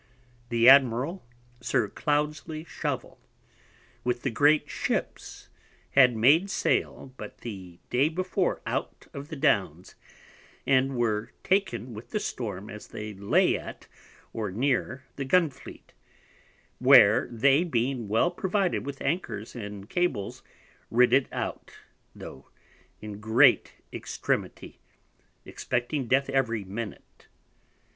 The Admiral, Sir Cloudesley Shovel with the great Ships, had made sail but the day before out of the Downs, and were taken with the Storm as they lay at or near the Gunfleet, where they being well provided with Anchors and Cables, rid it out, tho' in great extremity, expecting death every minute.